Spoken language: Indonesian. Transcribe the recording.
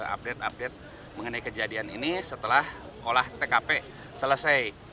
update update mengenai kejadian ini setelah olah tkp selesai